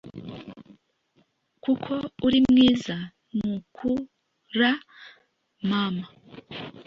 Kuko uri mwiza nukur mama